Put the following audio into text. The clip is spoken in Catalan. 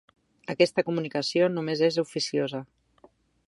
Aquesta comunicació només és oficiosa.